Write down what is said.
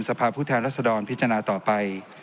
ผู้แทนรัศดรพิจารณาต่อไป